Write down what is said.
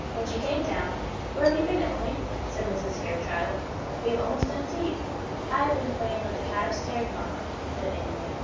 When she came down, "Where have you been, Emily?" said Mrs. Fairchild; "we have almost done tea." "I have been playing with the cat upstairs, mamma," said Emily.